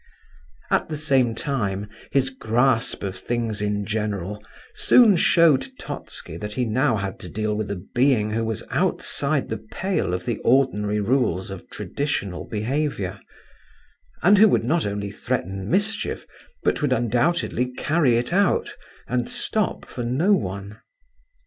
At the same time his grasp of things in general soon showed Totski that he now had to deal with a being who was outside the pale of the ordinary rules of traditional behaviour, and who would not only threaten mischief but would undoubtedly carry it out, and stop for no one.